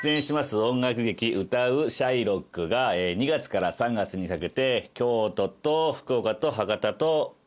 音楽劇『歌うシャイロック』が２月から３月にかけて京都と福岡と博多と東京でやります。